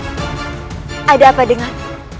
rai ada apa denganmu